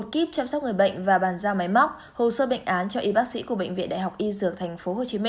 một kíp chăm sóc người bệnh và bàn giao máy móc hồ sơ bệnh án cho y bác sĩ của bệnh viện đại học y dược tp hcm